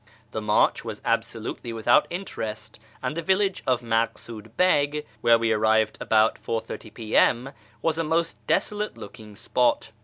The march was absolutely without interest, and the village of Maksud Beg, where we arrived about 4.30 p.m., was a most desolate looking spot.